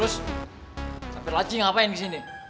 sampir laci ngapain kesini